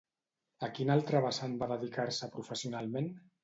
A quin altre vessant va dedicar-se professionalment?